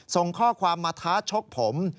ส่งข้อความมาท้าชกผม